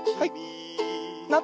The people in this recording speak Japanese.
はい。